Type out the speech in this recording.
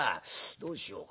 どうしようかな。